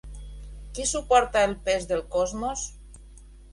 Qui suporta el pes del cosmos?